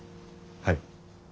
はい。